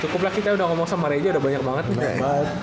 cukuplah kita udah ngomong sama reza udah banyak banget